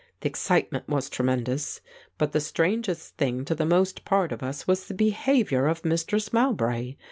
The excitement was tremendous; but the strangest thing to the most part of us was the behaviour of Mistress Mowbray.